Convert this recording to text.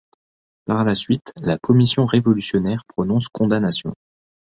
Par la suite, la commission révolutionnaire prononce condamnations.